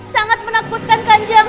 sangat menakutkan kanjeng